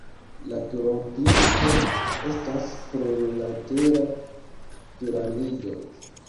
La turopinto estas plurlatera piramido.